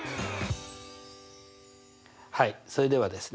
はいそれではですね